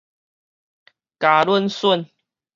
交懍恂